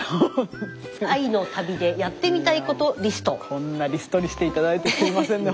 こんなリストにして頂いてすいませんね